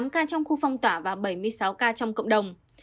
tám ca trong khu phong tỏa và bảy mươi sáu ca trong cộng đồng